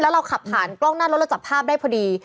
เราขับผ่านกล้องหน้ารถเราจับภาพได้พอดี